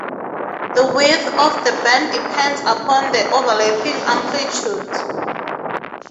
The width of the band depends upon the overlapping amplitude.